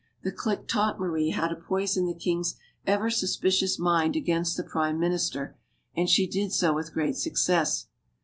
The clique taught Marie how to poison the king's ever suspicious mind against the prime minister, and she did so with great success.